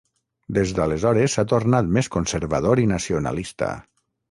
Des d'aleshores s'ha tornat més conservador i nacionalista.